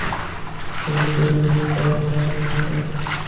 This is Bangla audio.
দেখি তুমি দেও কি না দেও!